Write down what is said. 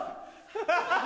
ハハハ！